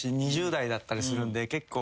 ２０代だったりするんで結構。